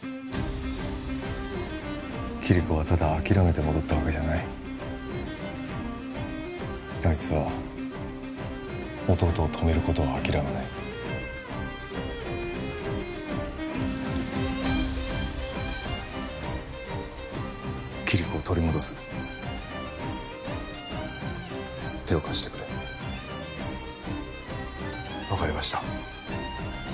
キリコはただ諦めて戻ったわけじゃないあいつは弟を止めることを諦めないキリコを取り戻す手を貸してくれ分かりました